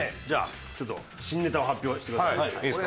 じゃあちょっと新ネタを発表してください。